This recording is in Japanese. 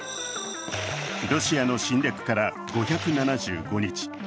ロシアの侵略から５７５日。